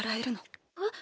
えっ？